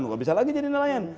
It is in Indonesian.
nggak bisa lagi jadi nelayan